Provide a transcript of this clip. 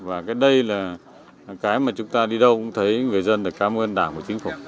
và đây là cái mà chúng ta đi đâu cũng thấy người dân cảm ơn đảng của chính phủ